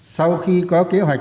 sau khi có kế hoạch